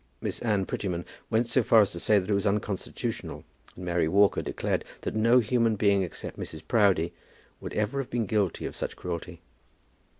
Miss Anne Prettyman went so far as to say that it was unconstitutional, and Mary Walker declared that no human being except Mrs. Proudie would ever have been guilty of such cruelty.